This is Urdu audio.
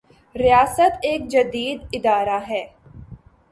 ریاست ایک جدید ادارہ ہے۔